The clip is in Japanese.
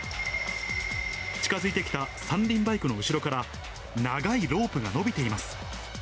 近づいてきた三輪バイクの後ろから、長いロープが伸びています。